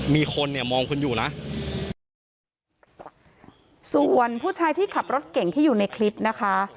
มีคนเนี่ยมองคุณอยู่นะส่วนผู้ชายที่ขับรถเก่งที่อยู่ในคลิปนะคะ